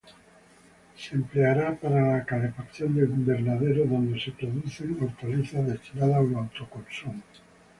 Se empleará para la calefacción de invernaderos donde se producen hortalizas destinadas al autoconsumo.